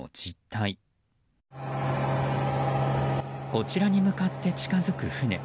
こちらに向かって近づく船。